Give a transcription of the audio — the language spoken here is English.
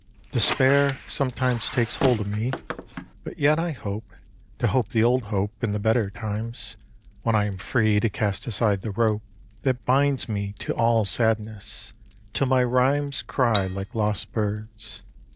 Despair Sometimes takes hold of me but yet I hope To hope the old hope in the better times When I am free to cast aside the rope That binds me to all sadness 'til my rhymes Cry like lost birds.